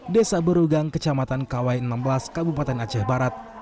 desa berugang kecamatan kawai enam belas kabupaten aceh barat